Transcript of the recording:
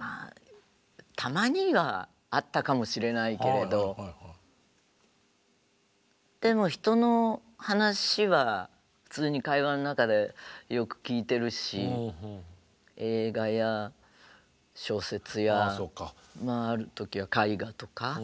あたまにはあったかもしれないけれどでも人の話は普通に会話の中でよく聞いてるし映画や小説やある時は絵画とか。